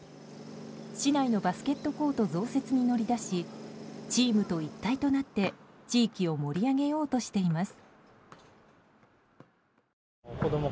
市内のバスケットコート増設に乗り出しチームと一体となって地域を盛り上げようとしています。